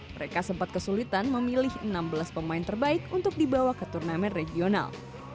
mereka sempat kesulitan memilih enam belas pemain terbaik untuk dibawa ke turnamen regional